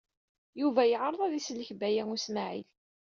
Yuba yeɛreḍ ad isellek Baya U Smaɛil.